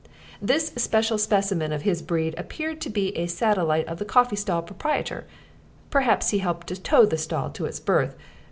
This special specimen of his breed appeared to be a satellite of the coffee stall proprietor: perhaps he helped to tow the stall to its berth.